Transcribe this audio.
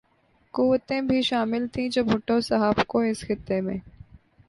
قوتیں بھی شامل تھیں جو بھٹو صاحب کو اس خطے میں